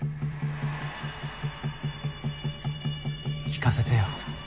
聞かせてよ